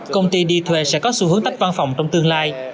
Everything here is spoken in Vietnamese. công ty đi thuê sẽ có xu hướng tách văn phòng trong tương lai